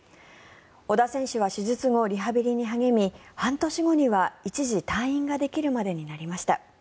小田選手は手術後、リハビリに励み半年後には一時退院ができるまでになりました。